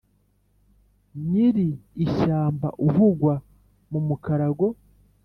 nyiri ishyamba uvugwa mu mukarago